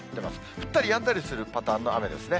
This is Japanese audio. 降ったりやんだりするパターンの雨ですね。